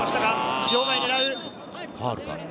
塩貝を狙う。